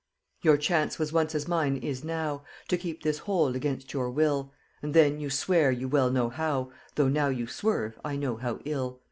Your chance was once as mine is now, To keep this hold against your will, And then you sware you well know how, Though now you swerve, I know how ill.